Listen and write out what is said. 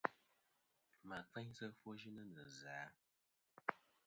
Mà kfeynsɨ ɨfwoyɨnɨ nɨ zɨ-a ?